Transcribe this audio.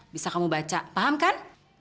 bisa kamu baca paham kan